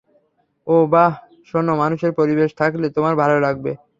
ওহ, বাহ, শোনো, মানুষের পরিবেশে থাকলে, তোমার ভালো লাগবে।